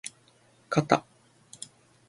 かた